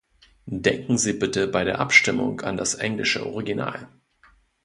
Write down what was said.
Denken Sie bitte bei der Abstimmung an das englische Original.